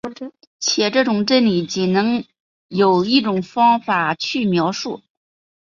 且这种真理仅能由一种方法去描述。